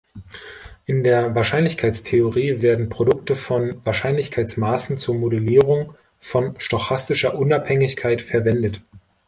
In der Wahrscheinlichkeitstheorie werden Produkte von Wahrscheinlichkeitsmaßen zur Modellierung von stochastischer Unabhängigkeit verwendet.